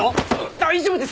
大丈夫ですか？